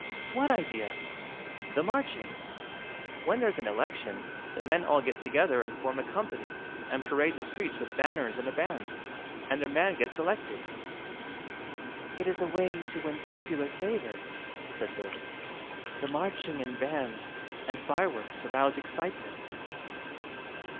"What idea?" "The marching. When there's an election the men all get together and form a company and parade the streets with banners and a band and their man gets elected." "It is a way to win popular favor," said Doris. "The marching and bands and fireworks arouse excitement."